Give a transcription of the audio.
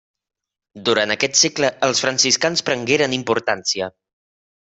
Durant aquest segle els franciscans prengueren importància.